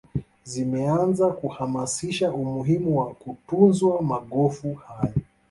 Zimeanza kuhamasisha umuhimu wa kutunzwa magofu haya